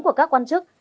của các quan chức